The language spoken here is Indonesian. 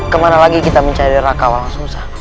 kemana lagi kita mencari raka'a langsung sah